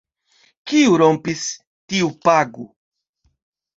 Kiu rompis, tiu pagu.